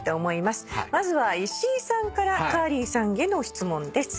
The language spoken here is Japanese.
まずは石井さんからカーリーさんへの質問です。